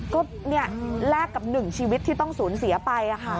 ก็แลกกับหนึ่งชีวิตที่ต้องสูญเสียไป